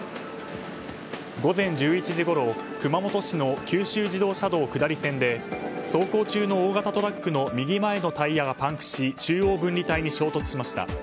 午前１１時ごろ熊本市の九州自動車道下りで走行中の大型トラックの右前のタイヤがパンクし中央分離帯に衝突しました。